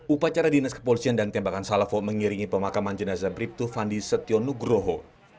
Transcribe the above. upacara dinas kepolisian dan tembakan salavo mengiringi pemakaman jenazah bribtu fandi setion nugroho